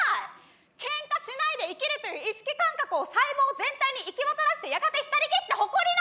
けんかしないで生きるという意識感覚を細胞全体に行き渡らせてやがて浸りきって誇りな！